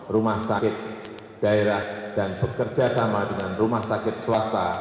rumah sakit daerah dan bekerja sama dengan rumah sakit swasta